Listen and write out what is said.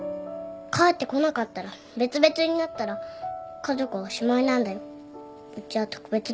帰ってこなかったら別々になったら家族はおしまいなんだようちは特別だから。